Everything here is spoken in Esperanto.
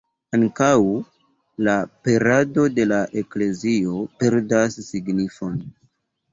Ankaŭ la perado de la Eklezio perdas signifon.